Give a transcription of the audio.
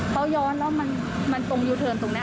เขาย้อนแล้วมันตรงยูเทิร์นตรงนี้